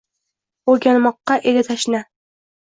Oʼrganmoqqa edi tashna.